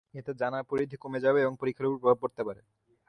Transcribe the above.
এতে জানার পরিধি কমে যাবে এবং পরীক্ষার ওপর প্রভাব পড়তে পারে।